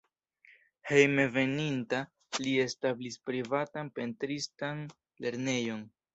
Hejmenveninta li establis privatan pentristan lernejon.